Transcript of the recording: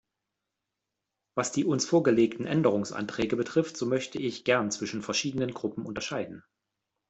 Was die uns vorgelegten Änderungsanträge betrifft, so möchte ich gern zwischen verschiedenen Gruppen unterscheiden.